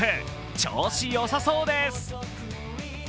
調子よさそうです。